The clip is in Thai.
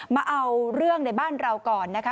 มาเอาเรื่องในบ้านเราก่อนนะคะ